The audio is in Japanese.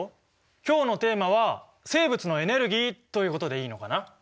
今日のテーマは「生物のエネルギー」ということでいいのかな？